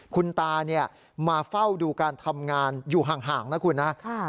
คุณตามาเฝ้าดูการทำงานอยู่ห่างนะคุณนะ